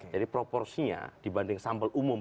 jadi proporsinya dibanding sampel umum